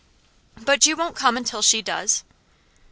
"But you won't come until she does?"